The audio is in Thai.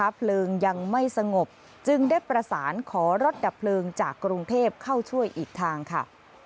เพลิงยังไม่สงบจึงได้ประสานขอรถดับเพลิงจากกรุงเทพเข้าช่วยอีกทางค่ะ